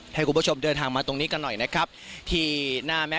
ให้คุณผู้ชมเดินทางมาตรงนี้กันหน่อยนะครับที่หน้าแม่